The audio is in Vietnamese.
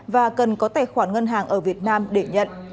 và cần có tài khoản ngân hàng ở việt nam để nhận